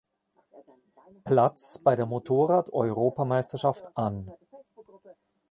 Platz bei der Motorrad-Europameisterschaft an.